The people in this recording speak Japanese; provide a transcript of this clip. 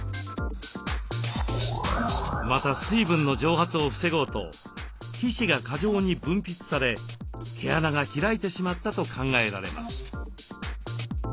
また水分の蒸発を防ごうと皮脂が過剰に分泌され毛穴が開いてしまったと考えられます。